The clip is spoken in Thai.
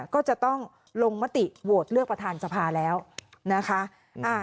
ก็จะต้องลงมติโหวตเลือกประธานสภาแล้วนะคะ